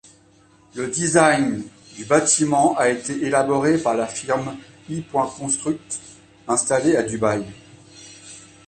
Le design du bâtiment a été élaboré par la firme e.Construct, installée à Dubaï.